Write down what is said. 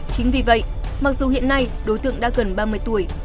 chính vì vậy mặc dù hiện nay đối tượng đã gần ba mươi tuổi